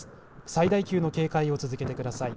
最大級の警戒を続けてください。